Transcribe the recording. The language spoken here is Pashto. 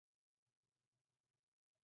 د بوتسوانا کې د سن وګړو ټولنې په اړه جوتېږي.